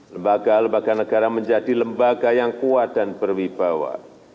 lembaga lembaga negara menjadi lembaga yang kuat dan berwibawa